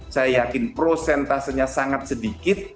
saya yakin prosentasenya sangat sedikit